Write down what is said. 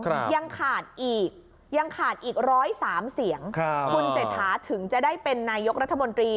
ยังขาดอีกยังขาดอีกร้อยสามเสียงครับคุณเศรษฐาถึงจะได้เป็นนายกรัฐมนตรี